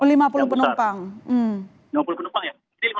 ini lima puluh penumpang ya